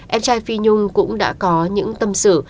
em trai phi nhung cũng đã có những tâm xử